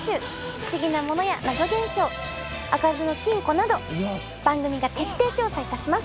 不思議なものや謎現象開かずの金庫など番組が徹底調査いたします。